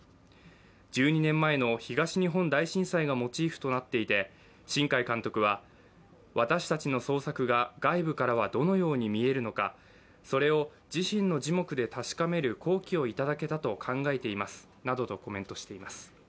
１２年前の東日本大震災がモチーフとなっていて新海監督は、私たちの創作が外部からはどのように見えるのか、それを自身の耳目で確かめる好機をいただけたと考えていますなどとコメントしています。